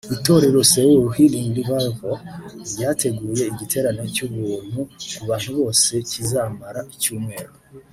Itorero Soul Healing Revival ryateguye igiterane cy’ubuntu ku bantu bose kizamara icyumweru